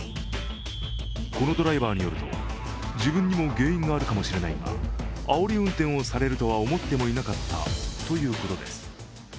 このドライバーによると自分にも原因があるかもしれないがあおり運転をされるとは思ってもいなかったということです。